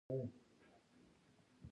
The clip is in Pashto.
د نجلۍ مخ خیرن و .